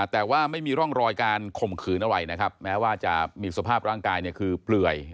แต่ว่าไม่มีร่องรอยการข่มขืนอะไรนะครับแม้ว่าจะมีสภาพร่างกายเนี่ยคือเปลื่อย